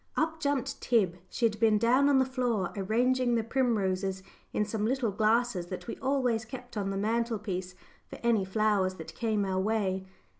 Up jumped Tib she had been down on the floor arranging the primroses in some little glasses that we always kept on the mantelpiece for any flowers that came our way.